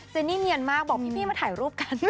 นี่เนียนมากบอกพี่มาถ่ายรูปกัน